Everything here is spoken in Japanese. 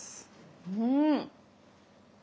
うん。